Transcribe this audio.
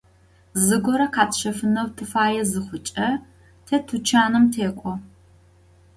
Zıgore khetşefıneu tıfaê zıxhuç'e te tuçanım tek'o.